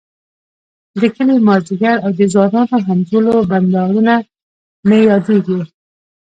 د کلي ماذيګر او د ځوانانو همزولو بنډارونه مي ياديږی